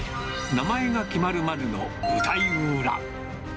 名前が決まるまでの舞台裏。